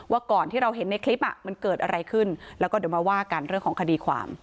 ก่อนที่เราเห็นในคลิปมันเกิดอะไรขึ้นแล้วก็เดี๋ยวมาว่ากันเรื่องของคดีความ